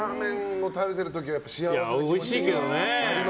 おいしいけどね。